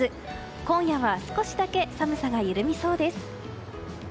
今夜は少しだけ寒さが緩みそうです。